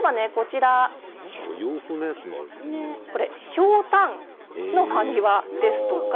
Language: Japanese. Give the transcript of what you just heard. ひょうたんの埴輪ですとか